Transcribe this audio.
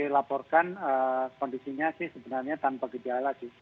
kita melaporkan kondisinya sih sebenarnya tanpa gejala